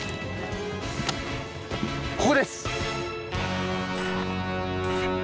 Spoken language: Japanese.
ここです！